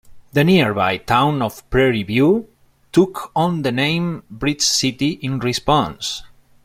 The nearby town of Prairie View took on the name "Bridge City" in response.